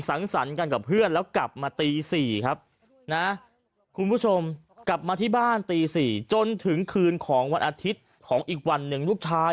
สังสรรค์กันกับเพื่อนแล้วกลับมาตี๔ครับนะคุณผู้ชมกลับมาที่บ้านตี๔จนถึงคืนของวันอาทิตย์ของอีกวันหนึ่งลูกชาย